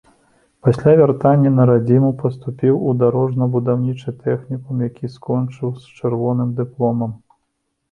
Пасля вяртання на радзіму, паступіў у дарожна-будаўнічы тэхнікум, які скончыў з чырвоным дыпломам.